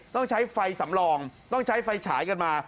ต้องใช้ไฟสำรองต้องใช้ไฟฉายกันมา